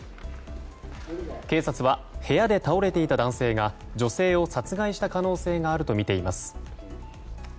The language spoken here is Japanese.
警察は部屋で倒れていた男性が女性を殺害した可能性があるとみています。